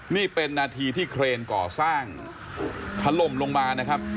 นี่เป็นนาทีที่เครนก่อสร้างถล่มลงมานะครับ